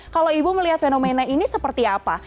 kalau ibu melihat fenomena ini seperti apa